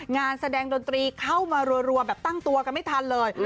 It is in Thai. งานแสดงดนตรีเข้ามารัวแบบตั้งตัวกันไม่ทันเลย